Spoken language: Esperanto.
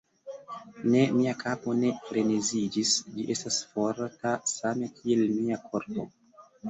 Ne, mia kapo ne freneziĝis: ĝi estas forta, same kiel mia korpo.